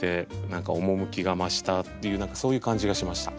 何か趣が増したっていう何かそういう感じがしました。